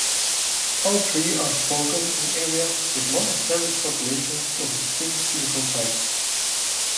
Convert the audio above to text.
All three are spoken in areas with long-established populations of a distinct physical type.